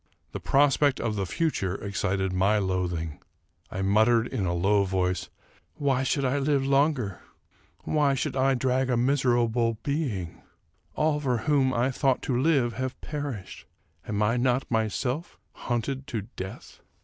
The prospect of the future excited my loathing. I muttered, in a low voice, " Why should I live longer ? Why should I drag a miser able being? All for whom I ought to live have perished. Am I not myself hunted to death